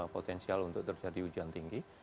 potensial untuk terjadi hujan tinggi